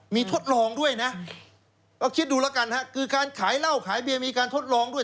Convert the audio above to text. มีทดลองด้วยนะก็คิดดูแล้วกันฮะคือการขายเหล้าขายเบียร์มีการทดลองด้วย